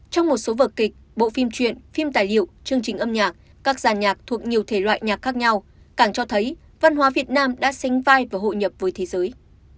trong một số vở kịch bộ phim truyện phim tài liệu chương trình âm nhạc các giàn nhạc thuộc nhiều thể loại nhạc khác nhau càng cho thấy văn hóa việt nam đã sánh vai và hội nhập với thế giới